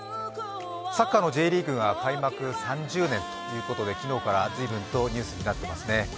サッカーのＪリーグが開幕３０年ということで昨日から随分とニュースになっていますね。